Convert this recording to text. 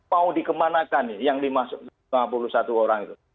mau dikemanakan nih yang lima puluh satu orang itu